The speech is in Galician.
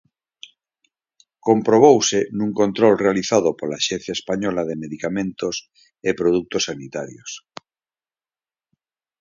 Comprobouse nun control realizado pola Axencia Española de Medicamentos e Produtos Sanitarios.